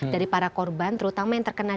dari para korban terutama yang terkena